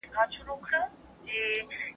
سردار اکبرخان خپل ځواک کابل ته واستاوه.